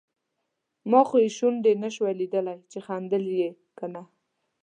ما خو یې شونډې نشوای لیدای چې خندل یې که نه.